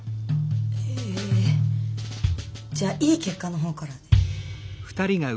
えじゃあいい結果の方からで。